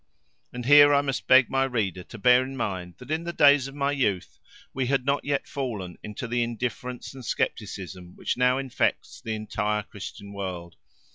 And here I must beg my reader to bear in mind that in the days of my youth we had not yet fallen into the indifference and scepticism which now infects the entire Christian world.